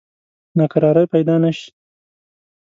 ناکراری پیدا نه شي.